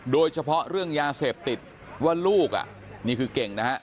โดยเฉพาะเรื่องยาเสพติดว่าลูกนี่คือเก่งนะฮะ